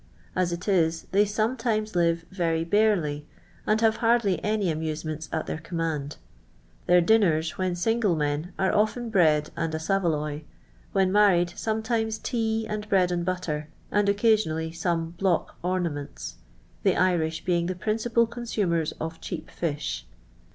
As it is, they sometimes live very barely and have hardly any amusements at their command. Their dinners, when single men, are often bread and a saveloy ; when married, some times tea and bread and butter, and occasionally some "block ornaments;" the Irish being the principal consumers of cheap fish.